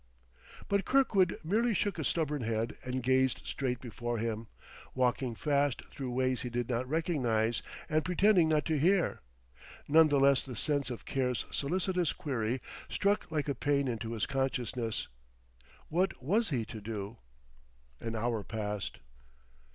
_" But Kirkwood merely shook a stubborn head and gazed straight before him, walking fast through ways he did not recognize, and pretending not to hear. None the less the sense of Care's solicitous query struck like a pain into his consciousness. What was he to do? An hour passed.